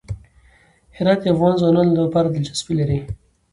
هرات د افغان ځوانانو لپاره دلچسپي لري.